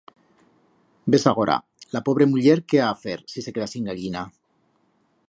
Ves agora, la pobre muller que ha a fer, si se queda sin gallina.